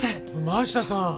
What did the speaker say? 真下さん。